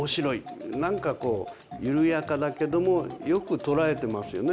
何かこう緩やかだけどもよく捉えてますよね